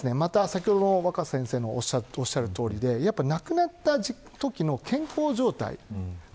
先ほど若狭先生がおっしゃったとおりで亡くなっただけの健康状態。